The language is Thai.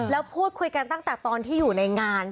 แล้วพูดคุยกันตั้งแต่ตอนที่อยู่ในงาน